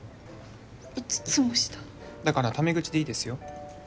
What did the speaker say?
５つも下だからタメ口でいいですよ